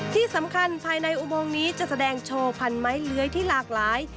ที่สำคัญภายในอุโมงนี้จะแสดงโชว์พันไม้เลื้อยที่หลากหลาย